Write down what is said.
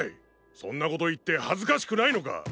そんなこと言って恥ずかしくないのか！